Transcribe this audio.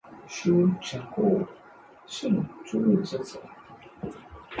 书成后升授着作。